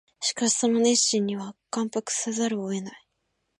しかしその熱心には感服せざるを得ない